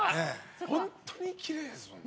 本当にきれいですもんね。